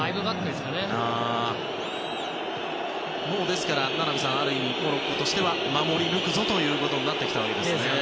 ですからもう、ある意味モロッコとしては守り抜くぞということになってきたわけですね。